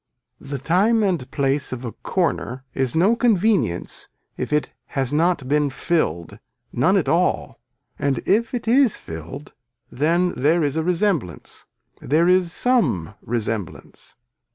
The time and place of a corner is no convenience if it has not been filled, none at all, and if it is filled then there is a resemblance, there is some resemblance.